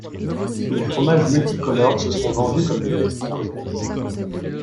Les fromages multicolores se sont vendus comme des petits pains.